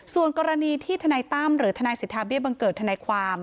ส่วนกรณีที่ทนายตั้มหรือทนายสิทธาเบี้ยบังเกิดทนายความ